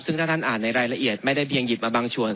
ซึ่งถ้าท่านอ่านในรายละเอียดไม่ได้เพียงหยิบมาบางส่วน